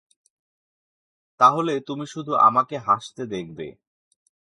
তাহলে তুমি শুধু আমাকে হাসতে দেখবে।